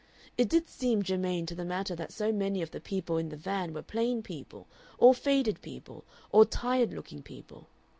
It did seem germane to the matter that so many of the people "in the van" were plain people, or faded people, or tired looking people.